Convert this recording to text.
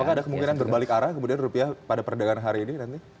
apakah ada kemungkinan berbalik arah kemudian rupiah pada perdagangan hari ini nanti